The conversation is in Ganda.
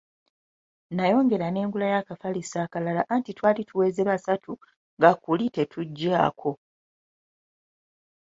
Nayongera ne ngulayo akafaliso akalala anti twali tuweze basatu nga kuli tetugyako.